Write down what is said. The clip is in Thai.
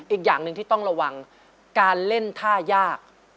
อีกอย่างหนึ่งที่ต้องระวังการเล่นท่ายาก